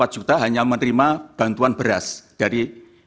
empat juta hanya menerima bantuan beras dari